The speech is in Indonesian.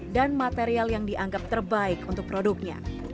dan material yang dianggap terbaik untuk produknya